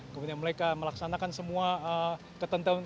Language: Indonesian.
kemudian mereka melaksanakan semua ketentuan